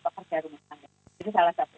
pekerja rumah tangga jadi salah satu